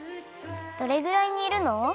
どれぐらいにるの？